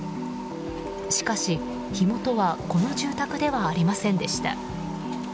しかし火元はこの住宅ではありませんでした。